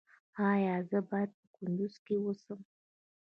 ایا زه باید په کندز کې اوسم؟